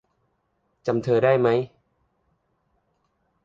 จำเธอได้ไหม ?